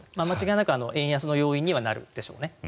間違いなく円安の要因にはなるでしょうね。